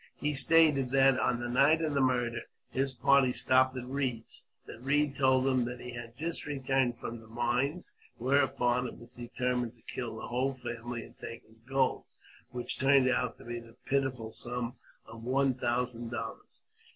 He stated that, on the night of the murder, his party stopped at Eeed's ; that Keed told them that he had just returned from the mines, where upon it was determined to kill the whole family and take his gold, which turned out to be the pitiful sum of one thousand dollars.